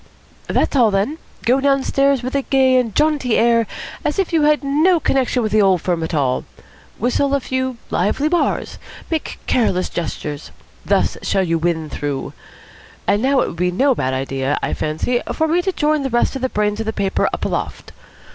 "That's all, then. Go downstairs with a gay and jaunty air, as if you had no connection with the old firm at all. Whistle a few lively bars. Make careless gestures. Thus shall you win through. And now it would be no bad idea, I fancy, for me to join the rest of the brains of the paper up aloft.